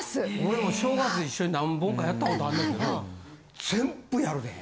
俺も正月一緒に何本かやったことあんねんけど全部やるで。